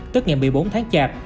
tức ngày một mươi bốn tháng chạp